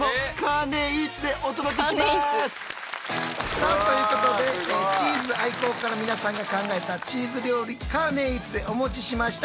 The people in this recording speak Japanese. さあということでチーズ愛好家の皆さんが考えたチーズ料理カーネーイーツでお持ちしました！